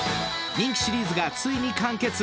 人気シリーズがついに完結。